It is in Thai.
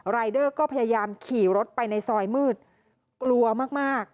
รายเดอร์ก็พยายามขี่รถไปในซอยมืดกลัวมาก